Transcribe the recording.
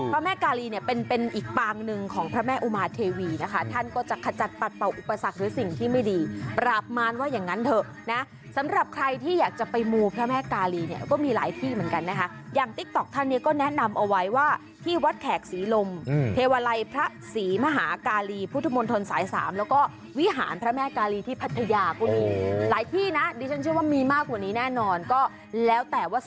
พระแม่กาลีเนี่ยเป็นเป็นอีกปางหนึ่งของพระแม่อุมาเทวีนะคะท่านก็จะขจัดปัดเป่าอุปสรรคหรือสิ่งที่ไม่ดีประมาณว่าอย่างนั้นเถอะนะสำหรับใครที่อยากจะไปมูพระแม่กาลีเนี่ยก็มีหลายที่เหมือนกันนะคะอย่างติ๊กต๊อกท่านเนี่ยก็แนะนำเอาไว้ว่าที่วัดแขกศรีลมเทวาลัยพระศรีมหากาลีพุทธมนตรสาย๓แล